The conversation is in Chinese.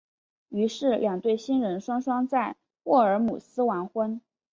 于是两对新人双双在沃尔姆斯完婚。